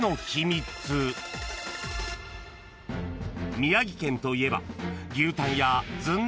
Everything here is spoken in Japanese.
［宮城県といえば］